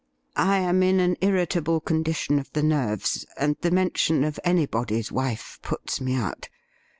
I am in an irritable condition of the nerves, and the mention of anybody's wife puts me out.